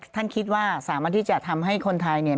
ท่านคิดว่าสามารถที่จะทำให้คนไทยเนี่ย